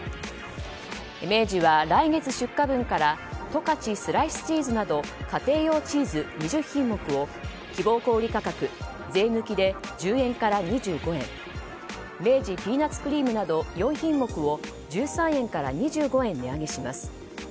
明治は来月出荷分から十勝スライスチーズなど家庭用チーズ２０品目を希望小売価格、税抜きで１０円から２５円明治ピーナッツクリームなど４品目を１３円から２５円値上げします。